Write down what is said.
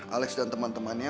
alex dan teman temannya